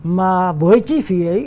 mà với chi phí ấy